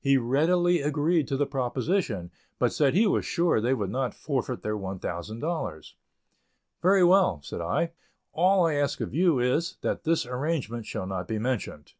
He readily agreed to the proposition, but said he was sure they would not forfeit their $1,000. "Very well," said I; "all I ask of you is, that this arrangement shall not be mentioned."